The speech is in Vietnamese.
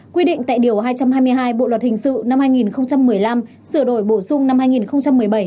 quy định tại điều hai trăm hai mươi hai bộ luật hình sự năm hai nghìn một mươi năm sửa đổi bổ sung năm hai nghìn một mươi bảy